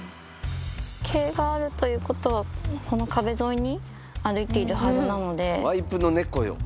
毛があるということは、この壁沿いに歩いているはずなので。